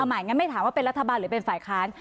ใหม่งั้นไม่ถามว่าเป็นรัฐบาลหรือเป็นฝ่ายค้าน